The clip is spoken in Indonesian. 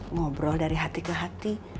ngobrol dari hati ke hati